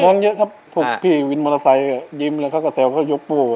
มองเยอะครับพี่วินมอเตอร์ไซค์อ่ะยิ้มเลยเขาก็เซลเขายกปูอ่ะ